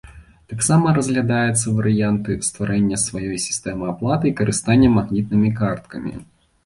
Таксама разглядаецца варыянты стварэння сваёй сістэмы аплаты і карыстання магнітнымі карткамі.